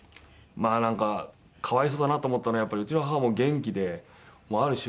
まあなんか可哀想だなと思ったのはやっぱりうちの母も元気である種